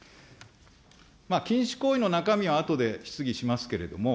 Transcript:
禁止行為の中身はあとで質疑しますけれども。